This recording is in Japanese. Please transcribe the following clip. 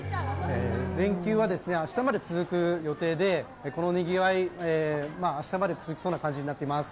連休は明日まで続く予定で、このにぎわい、明日まで続きそうになっています。